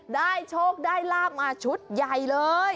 โชคได้ลาบมาชุดใหญ่เลย